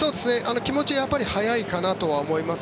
気持ち早いかなとは思います。